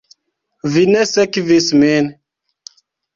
Vi ne sekvis min.